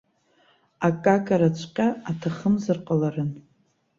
Акакараҵәҟьа аҭахымзар ҟаларын.